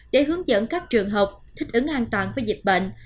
để hướng dẫn các trường học thích ứng an toàn với dịch bệnh